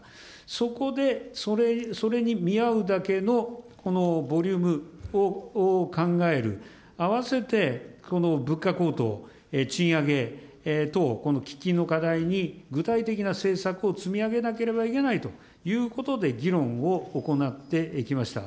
そこで、それに見合うだけのこのボリュームを考える、あわせてこの物価高騰、賃上げ等、この喫緊の課題に具体的な政策を積み上げなければいけないということで、議論を行ってきました。